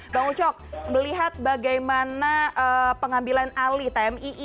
bang ucok melihat bagaimana pengambilan alih tmii